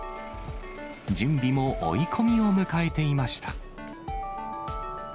準備も追い込みを迎えていました。